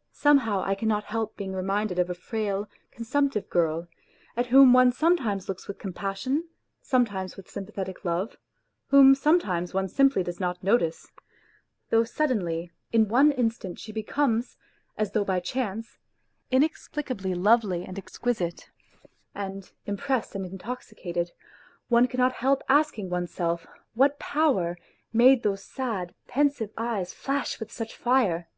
.... Somehow I cannot help being reminded of a frail, con sumptive girl, at whom one sometimes looks with compassion, sometimes with sympathetic love, whom sometimes one simply does not notice ; though suddenly in one instant she becomes, as though by chance, inexplicably lovely and exquisite, and, impressed and intoxicated, one cannot help asking oneself what power made those sad, pensive eyes flash with such fire